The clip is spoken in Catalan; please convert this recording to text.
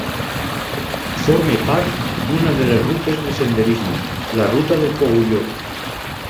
Forma part d’una de les rutes de senderisme, la Ruta del Cogulló.